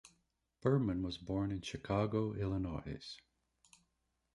Berman was born in Chicago, Illinois.